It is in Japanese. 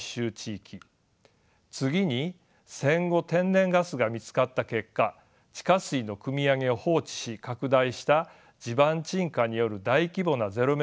次に戦後天然ガスが見つかった結果地下水のくみ上げを放置し拡大した地盤沈下による大規模なゼロメートル地帯の存在。